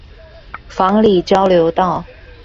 房裡交流道